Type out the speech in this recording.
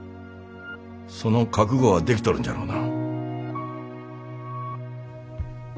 その覚悟はできとるんじゃろうな？